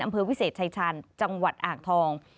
อำเภอวิเศษชายชาญจังหวัดอ่างทอง